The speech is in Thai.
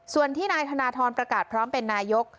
ส่วนที่นายธนทรประกาศพร้อมเป็นนายก